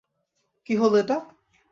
কি হলো এটা!